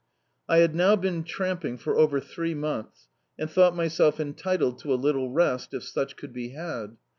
I had now been tramping for over three months and thought myself entitled to a little rest, if such could be had.